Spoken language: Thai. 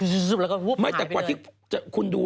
หายไปเลย